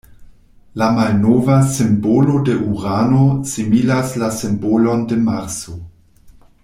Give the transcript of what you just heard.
La malnova simbolo de Urano similas la simbolon de Marso.